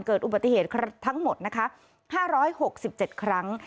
เกิดอุบัติเหตุทั้งหมดนะคะ๕๖๗ครั้ง